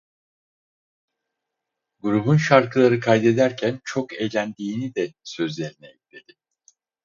Grubun şarkıları kaydederken çok eğlendiğini de sözlerine ekledi.